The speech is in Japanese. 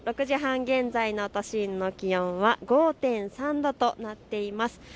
６時半現在の都心の気温は５．３度となっています。